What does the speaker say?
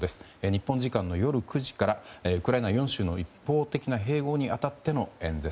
日本時間の夜９時からウクライナ４州の一方的な併合に当たっての演説。